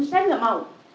saya gak mau